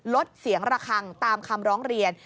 ลดเสียงระคังตามคำร้องเรียน